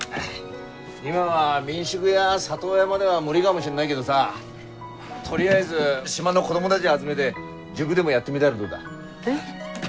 今は民宿や里親までは無理がもしんないげどさとりあえず島の子どもたぢ集めて塾でもやってみだらどうだ？え。